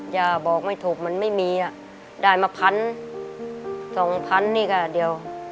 อย่าบอกไม่ถูกมันไม่มีอ่ะได้มาพันสองพันนี่ก็เดียว